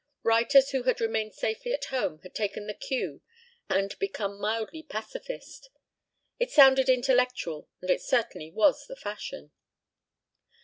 Writers who had remained safely at home had taken the cue and become mildly pacifist. It sounded intellectual and it certainly was the fashion.